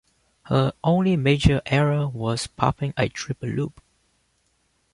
Her only major error was popping a triple loop.